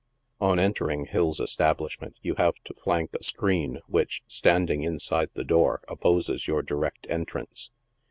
On entering Hill's establishment you have to flank a screen, which, standing inside the door, opposes your direct entrance.